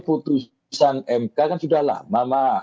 putusan mk kan sudah lama